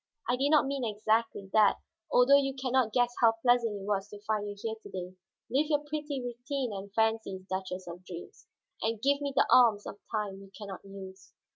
I did not mean exactly that, although you can not guess how pleasant it was to find you here to day. Live your pretty routine and fancies, Duchess of Dreams, and give me the alms of time you can not use."